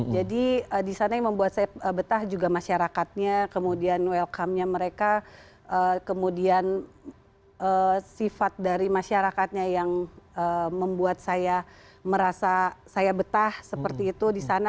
jadi di sana yang membuat saya betah juga masyarakatnya kemudian welcome nya mereka kemudian sifat dari masyarakatnya yang membuat saya merasa saya betah seperti itu di sana